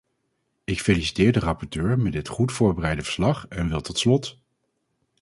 Ik feliciteer de rapporteur met dit goed voorbereide verslag, en wil tot slot ...